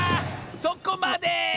そこまで！